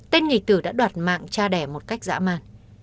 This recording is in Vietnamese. tên nghị tử đã đoạt mạng cha đẻ một cách dã man